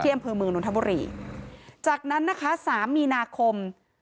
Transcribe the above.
อำเภอเมืองนนทบุรีจากนั้นนะคะสามมีนาคม